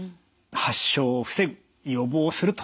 発症を防ぐ予防すると。